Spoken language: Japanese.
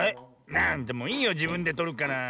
なんだもういいよじぶんでとるから。